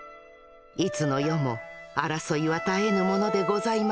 いつの世も争いは絶えぬものでございますねぇ